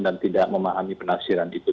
dan tidak memahami penafsiran itu